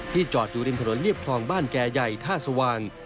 จอดอยู่ริมถนนเรียบคลองบ้านแก่ใหญ่ท่าสว่าง